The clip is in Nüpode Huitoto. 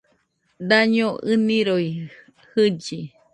Daño ɨnɨroi jɨlli